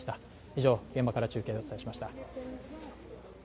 以上、現場から中継でお伝えしました。